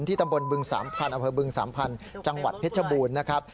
ตำบลบึงสามพันธ์อำเภอบึงสามพันธุ์จังหวัดเพชรบูรณ์นะครับ